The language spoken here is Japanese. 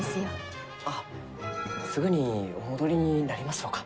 あっすぐにお戻りになりますろうか？